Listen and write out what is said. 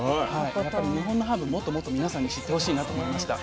また日本のハーブもっともっと皆さんに知ってほしいなと思いました。